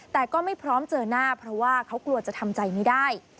แต่ก็ไม่พร้อมเจอหน้าเพราะว่าเขากลัวจะทำใจไม่ได้